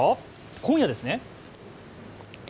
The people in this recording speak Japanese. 今夜ですね。